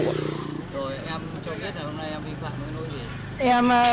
trời ơi em cho biết là hôm nay em vi phạm cái nỗi gì